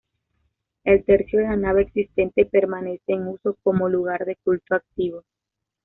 El tercio de la nave existente permanece en uso como lugar de culto activo.